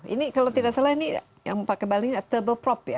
ini kalau tidak salah yang pakai baliknya turboprop ya